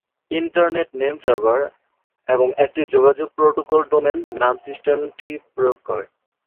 Internet name server এবং একটি যোগাযোগ প্রোটোকল ডোমেন নাম সিস্টেমটি প্রয়োগ করে।